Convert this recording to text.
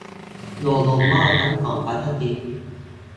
โยนลงหม้อทั้งกล่องพลาสติก